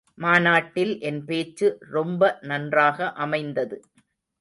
மாநாட்டில் என் பேச்சு ரொம்ப நன்றாக அமைந்தது.